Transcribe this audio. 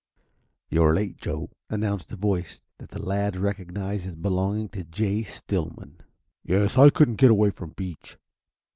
"You're late, Joe," announced a voice that the lads recognized as belonging to Jay Stillman. "Yes, I couldn't get away from Beach."